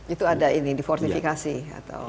itu ada ini di fortifikasi atau otomatis